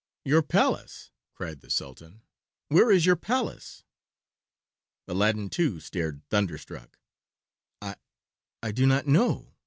"Your palace!" cried the Sultan. "Where is your palace?" Aladdin, too, stared thunderstruck. "I—I do not know!"